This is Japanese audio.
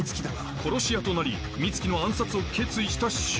殺し屋となり美月の暗殺を決意した柊。